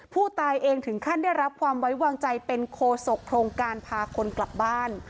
ผู้ตายเองถึงขั้นได้รับความไว้วางใจเป็นโคศกโครงการพาคนกลับบ้าน